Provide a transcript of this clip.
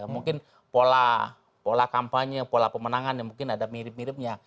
mungkin pola kampanye pola pemenangan yang mungkin ada mirip miripnya